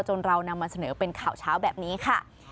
เรานำมาเสนอเป็นข่าวเช้าแบบนี้ค่ะ